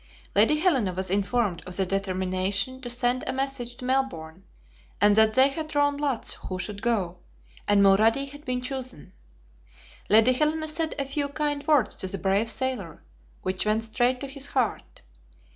Lady Helena was informed of the determination to send a message to Melbourne, and that they had drawn lots who should go, and Mulrady had been chosen. Lady Helena said a few kind words to the brave sailor, which went straight to his heart.